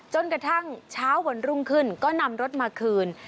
จนกระทั่งเช้าวันรุ่งขึ้นก็นำรถมาคืน